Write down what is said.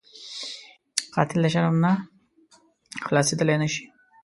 قاتل د شرم نه خلاصېدلی نه شي